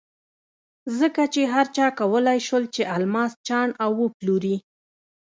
ځکه چې هر چا کولای شول چې الماس چاڼ او وپلوري.